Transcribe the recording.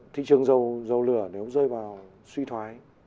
thị trường dầu lửa nếu rơi vào suy thoái